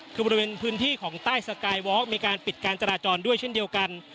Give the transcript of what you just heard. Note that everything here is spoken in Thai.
คือบริเวณพื้นที่ของใต้สกายวอล์มีการปิดการจราจรด้วยเช่นเดียวกัน